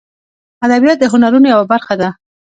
ادبیات د هنرونو یوه برخه ده